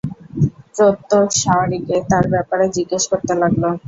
প্রত্যক সাওয়ারীকে তার ব্যাপারে জিজ্ঞেস করতে লাগল।